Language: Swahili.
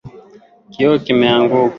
Kioo kimeanguka